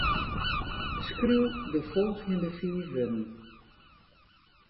Skriuw de folgjende fiif wurden.